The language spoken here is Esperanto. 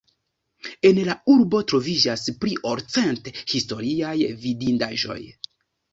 En la urbo troviĝas pli ol cent historiaj vidindaĵoj.